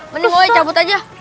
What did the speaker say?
mending gue cabut aja